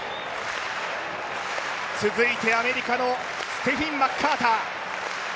続いてアメリカのステフィン・マッカーター。